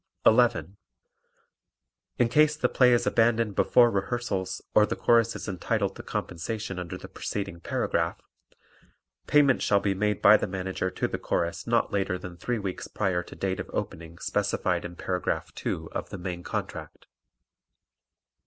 11. In case the play is abandoned before rehearsals or the Chorus is entitled to compensation under the preceding paragraph, payment shall be made by the Manager to the Chorus not later than three weeks prior to date of opening specified in Paragraph 2 of the main contract.